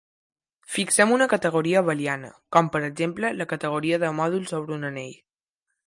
Fixem una categoria abeliana, com per exemple la categoria de mòduls sobre un anell.